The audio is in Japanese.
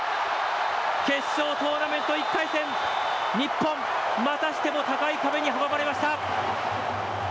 決勝トーナメント１回戦、日本、またしても高い壁に阻まれました。